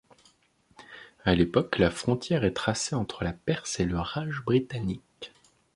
À l'époque, la frontière est tracée entre la Perse et le Raj britannique.